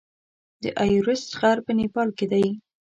د ایورسټ غر په نیپال کې دی.